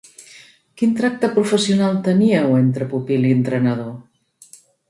Quin tracte professional teníeu, entre pupil i entrenador?